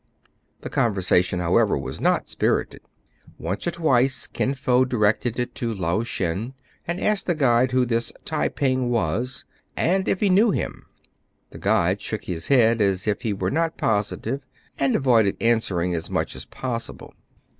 The conversation, however, was not spirited. Once or twice Kin Fo directed it to Lao Shen, and asked the guide who this Tai ping was, and if he knew him. The guide shook his head as if he were not positive, and avoided answering as much as possible.